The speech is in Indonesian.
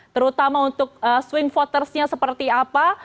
terutama untuk swing votersnya seperti apa